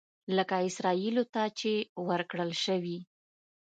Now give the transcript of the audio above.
لکه اسرائیلو ته چې ورکړل شوي.